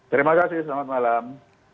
terima kasih selamat malam